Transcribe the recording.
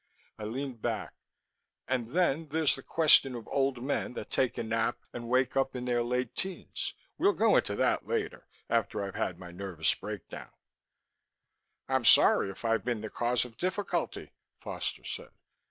I leaned back. "And then there's the question of old men that take a nap and wake up in their late teens; we'll go into that later, after I've had my nervous breakdown." "I'm sorry if I've been the cause of difficulty," Foster said.